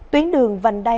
tuyến đường vành đai ba